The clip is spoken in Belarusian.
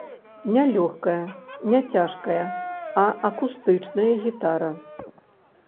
Не лёгкая, не цяжкая, а акустычная гітара.